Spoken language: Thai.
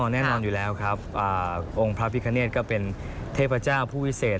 แน่นอนอยู่แล้วครับองค์พระพิคเนธก็เป็นเทพเจ้าผู้วิเศษ